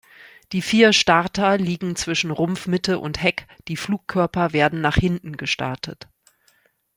Die vier Starter liegen zwischen Rumpfmitte und Heck, die Flugkörper werden nach hinten gestartet.